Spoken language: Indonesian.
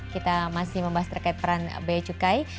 kita masih membahas terkait peran b a cukai